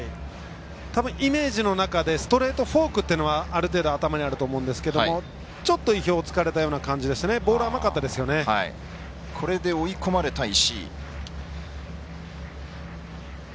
イメージの中でストレートフォークというのは頭にあると思うんですがちょっと意表を突かれてる感じでこれで、追い込まれた石井。